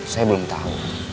saya belum tahu